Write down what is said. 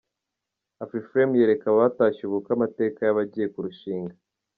Afrifame yereka abatashye ubukwe amateka y’abagiye kurushinga .